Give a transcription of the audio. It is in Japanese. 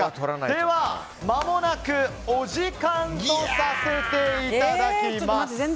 では、まもなくお時間とさせていただきます。